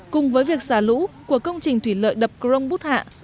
cùng với việc xả lũ của công trình thủy lợi đập grong bút hạ